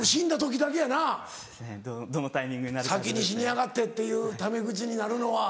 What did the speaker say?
先に死にやがってっていうタメ口になるのは。